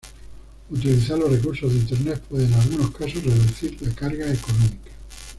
Utilizar los recursos de Internet puede, en algunos casos, reducir la carga económica.